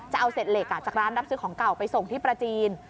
จะเอาเศษเหล็กจากร้านรับซื้อของเก่าไปส่งที่ประจีน